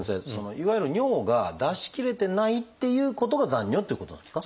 いわゆる尿が出しきれてないっていうことが残尿っていうことですか？